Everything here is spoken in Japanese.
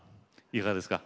いかがですか？